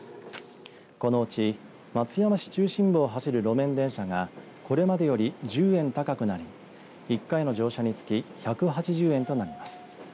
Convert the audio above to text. このうち松山市中心部を走る路面電車がこれまでより１０円高くなり１回の乗車につき１８０円となります。